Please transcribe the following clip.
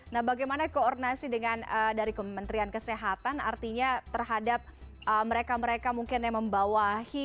nah bagaimana koordinasi dengan dari kementerian kesehatan artinya terhadap mereka mereka mungkin yang membawahi